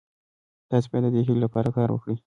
تاسي باید د دې هیلې لپاره کار وکړئ.